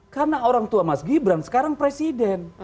karena orang tua mas gibran sekarang presiden